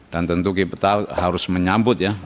tentu kita harus menyambut ya